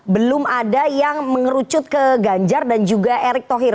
belum ada yang mengerucut ke ganjar dan juga erick thohir